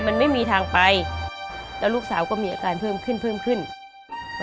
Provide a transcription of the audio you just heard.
มันไม่มีทางไปแล้วลูกสาวก็มีอาการเพิ่มเข้า